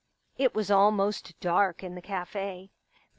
It was almost dark in the cafe.